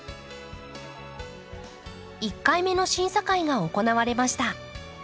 １回目の審査会が行われました。